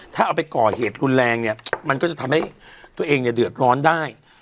ถ้าเอาไปก่อเหตุรุนแรงเนี่ยมันก็จะทำให้ตัวเองเนี่ยเดือดร้อนได้